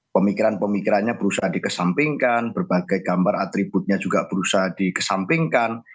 pemikiran pemikirannya berusaha dikesampingkan berbagai gambar atributnya juga berusaha dikesampingkan